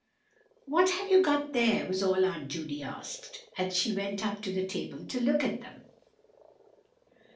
"What have you got there?" was all Aunt Judy asked, as she went up to the table to look at them.